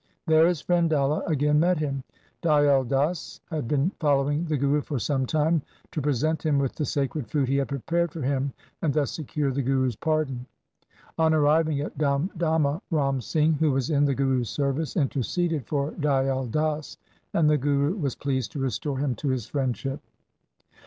There his friend Dalla again met him. Dayal Das had been following the Guru for some time to present him with the sacred food he had prepared for him, and thus secure the Guru's pardon. On arriving at Damdama Ram Singh, who was in the Guru's service, interceded for Dayal Das, and the Guru was pleased to restore him to his friendship.